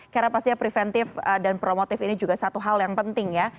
karena pastinya preventif dan promotif ini juga satu hal yang penting ya